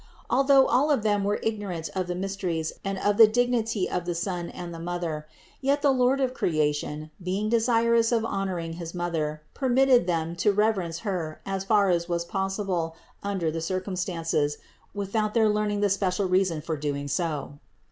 Although all of them were ignorant of the mysteries and of the dignity of the Son and the Mother ; yet the Lord of creation, being desirous of honor ing his Mother, permitted them to reverence Her as far as was possible under the circumstances, without their learning the special reason for doing so.